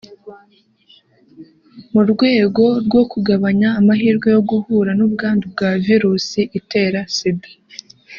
mu rwego rwo kugabanya amahirwe yo guhura n’ubwandu bwa virusi itera Sida